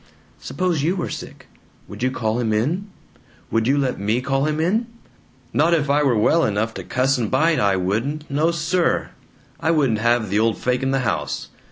"Suppose you were sick. Would you call him in? Would you let me call him in?" "Not if I were well enough to cuss and bite, I wouldn't! No, SIR! I wouldn't have the old fake in the house.